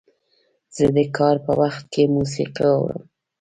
زه د کار په وخت کې موسیقي اورم.